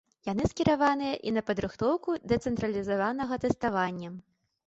Яны скіраваныя і на падрыхтоўку да цэнтралізаванага тэставання.